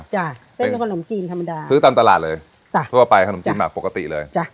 จ้ะเส้นขนมจีนธรรมดาซื้อตามตลาดเลยตะเท่าที่เราไปจคือขนมจีนหมากปกติเลยจ้ะ